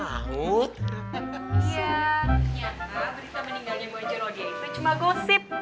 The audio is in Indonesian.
ternyata berita meninggalnya bu haji rodiah itu cuma gosip